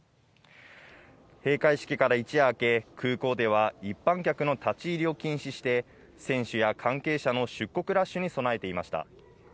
閉会式から一夜明け、空港では一般客の立ち入りを禁止して、選手や関係者の出国ラッシュに備えていました。